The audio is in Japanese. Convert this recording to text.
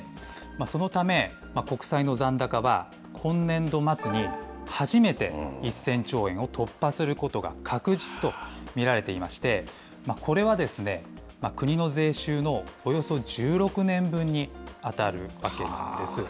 そのため、国債の残高は今年度末に初めて、１０００兆円を突破することが確実と見られていまして、これは国の税収のおよそ１６年分に当たるわけなんです。